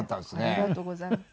ありがとうございます。